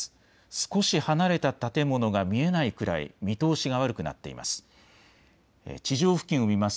少し離れた建物が見えないくらい見通しが悪くなっています。